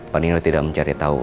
panino tidak mencari tahu